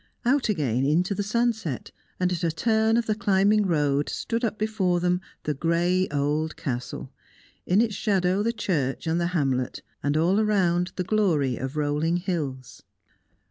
Out again into the sunset, and at a turn of the climbing road stood up before them the grey old Castle, in its shadow the church and the hamlet, and all around the glory of rolling hills.